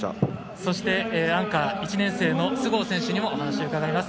そして、アンカー１年生の須郷選手にもお話、伺います。